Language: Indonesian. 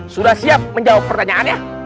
sudah siap menjawab pertanyaannya